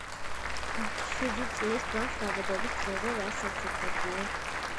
შვიდი წლის ბავშვს დაბადების დღეზე რას აჩუქებდი?